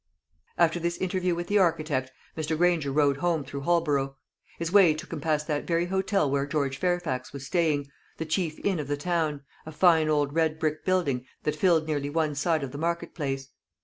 After this interview with the architect, Mr. Granger rode home through Holborough. His way took him past that very hotel where George Fairfax was staying the chief inn of the town, a fine old red brick building that filled nearly one side of the market place.